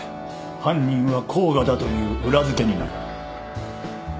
犯人は甲賀だという裏付けになる。